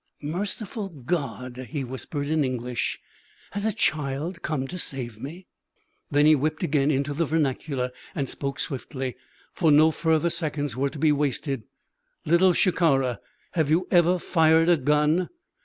"Merciful God!" he whispered in English. "Has a child come to save me?" Then he whipped again into the vernacular and spoke swiftly; for no further seconds were to be wasted. "Little Shikara, have you ever fired a gun?"